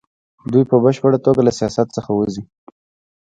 دوی په بشپړه توګه له سیاست څخه وځي.